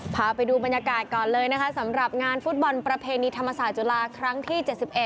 พาไปดูบรรยากาศก่อนเลยนะคะสำหรับงานฟุตบอลประเพณีธรรมศาสตร์จุฬาครั้งที่๗๑